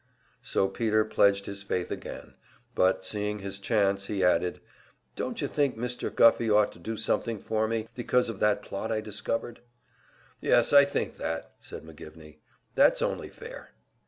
So Peter pledged his faith again; but, seeing his chance, he added: "Don't you think Mr. Guffey ought to do something for me, because of that plot I discovered?" "Yes, I think that," said McGivney; "that's only fair."